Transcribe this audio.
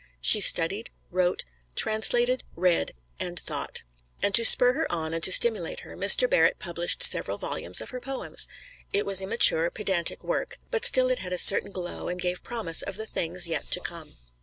She studied, wrote, translated, read and thought. And to spur her on and to stimulate her, Mr. Barrett published several volumes of her poems. It was immature, pedantic work, but still it had a certain glow and gave promise of the things yet to come.